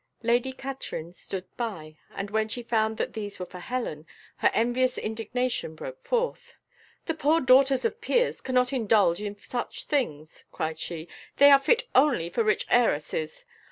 Lady Katrine stood by, and when she found that these were for Helen, her envious indignation broke forth. "The poor daughters of peers cannot indulge in such things," cried she; "they are fit only for rich heiresses!